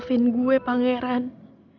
janganlah bercanda sama mark ini